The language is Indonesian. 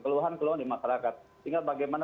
keluhan keluhan di masyarakat tinggal bagaimana